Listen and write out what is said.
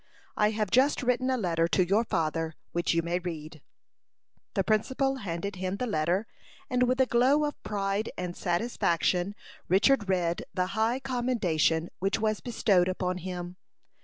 I have just written a letter to your father, which you may read." The principal handed him the letter, and with a glow of pride and satisfaction, Richard read the high commendation which was bestowed upon him.